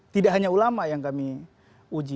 tidak hanya ulama yang kami uji